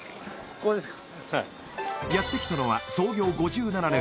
ここでいいすか？